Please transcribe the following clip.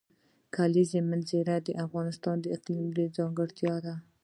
د کلیزو منظره د افغانستان د اقلیم ځانګړتیا ده.